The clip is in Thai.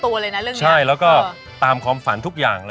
เรื่องนี้ใช่แล้วก็ตามความฝันทุกอย่าง